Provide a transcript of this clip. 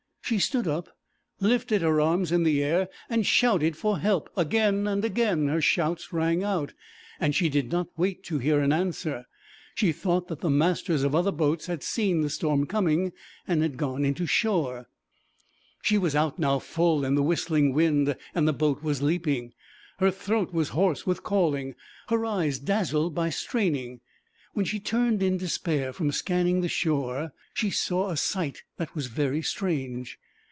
She stood up, lifted her arms in the air and shouted for help; again and again her shouts rang out, and she did not wait to hear an answer. She thought that the masters of other boats had seen the storm coming and gone into shore. She was out now full in the whistling wind and the boat was leaping. Her throat was hoarse with calling, her eyes dazzled by straining. When she turned in despair from scanning the shore she saw a sight that was very strange.